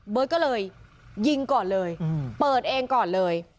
ก็เลยยิงก่อนเลยเปิดเองก่อนเลย